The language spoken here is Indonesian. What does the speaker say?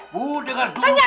bu dengar dulu